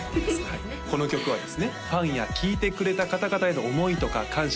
この曲はですねファンや聴いてくれた方々への思いとか感謝